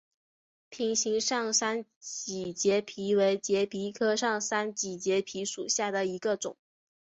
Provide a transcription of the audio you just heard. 瓶形上三脊节蜱为节蜱科上三脊节蜱属下的一个种。